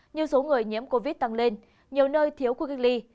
nhiều số người nhiễm covid tăng lên nhiều nơi thiếu khu kinh ly